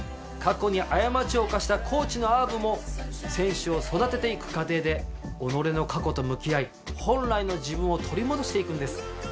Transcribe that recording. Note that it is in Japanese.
過去に過ちを犯したコーチのアーブも選手を育てて行く過程で己の過去と向き合い本来の自分を取り戻して行くんです。